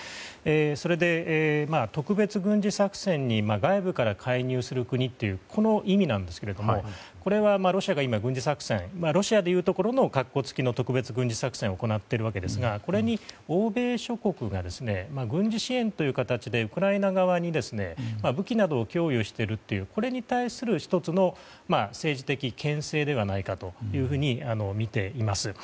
それで、特別軍事作戦に外部から介入する国というこの意味なんですがこれはロシアが今軍事作戦、ロシアでいうところのかっこつきの特別軍事作戦を行っているわけですがこれに欧米諸国が軍事支援という形でウクライナ側に武器の供与をしているというこれに対して１つの政治的牽制ではないかとみています。